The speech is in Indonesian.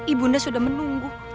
ibu ibu sudah menunggu